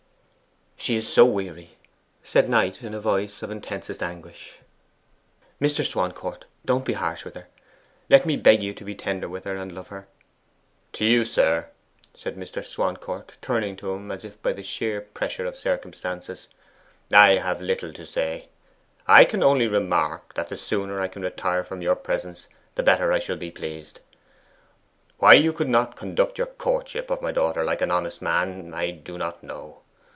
'She is so weary!' said Knight, in a voice of intensest anguish. 'Mr. Swancourt, don't be harsh with her let me beg of you to be tender with her, and love her!' 'To you, sir,' said Mr. Swancourt, turning to him as if by the sheer pressure of circumstances, 'I have little to say. I can only remark, that the sooner I can retire from your presence the better I shall be pleased. Why you could not conduct your courtship of my daughter like an honest man, I do not know.